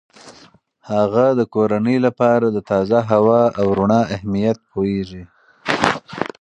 هغه د کورنۍ لپاره د تازه هوا او رڼا اهمیت پوهیږي.